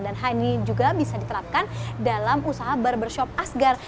dan hal ini juga bisa diterapkan dalam usaha barbershop asgar